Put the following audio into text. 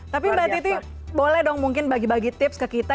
tapi mbak titi boleh dong mungkin bagi bagi tips ke kita